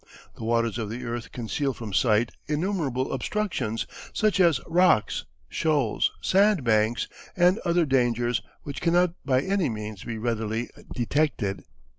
The waters of the earth conceal from sight innumerable obstructions, such as rocks, shoals, sandbanks, and other dangers which cannot by any means be readily detected.